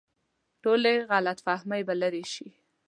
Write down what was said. ټولې غلط فهمۍ به لرې شي.